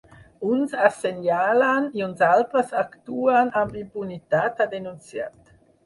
Uns assenyalen i uns altres actuen amb impunitat, ha denunciat.